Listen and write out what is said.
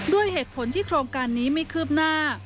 ด้วยเหตุผลที่โครงการนี้ไม่คืบหน้า